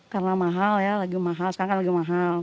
karena mahal ya lagi mahal sekarang kan lagi mahal